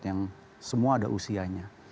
yang semua ada usianya